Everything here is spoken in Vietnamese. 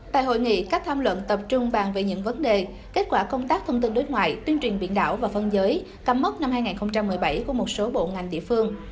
tại hội nghị các tham luận tập trung bàn về những vấn đề kết quả công tác thông tin đối ngoại tuyên truyền biển đảo và phân giới cắm mốc năm hai nghìn một mươi bảy của một số bộ ngành địa phương